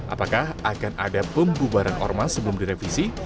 apakah akan ada pembubaran ormas sebelum direvisi